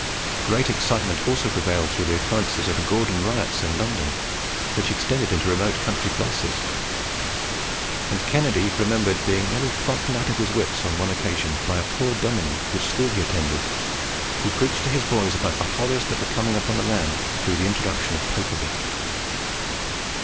Great excitement also prevailed through the occurrence of the Gordon riots in London, which extended into remote country places; and Kennedy remembered being nearly frightened out of his wits on one occasion by a poor dominie whose school he attended, who preached to his boys about the horrors that were coming upon the land through the introduction of Popery.